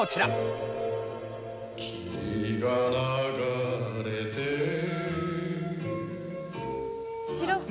「霧が流れて」「白黒！」